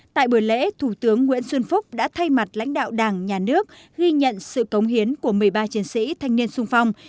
tại buổi lễ thủ tướng nguyễn xuân phúc đã thay mặt lãnh đạo đảng nhà nước ghi nhận sự cống hiến của một mươi ba chiến sĩ thanh niên sung phong